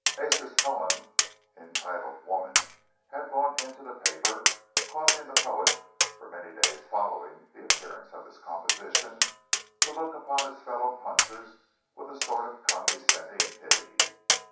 Ace's poem entitled "Woman" had gone into the paper, causing the poet for many days following the appearance of his composition to look upon his fellow punchers with a sort of condescending pity.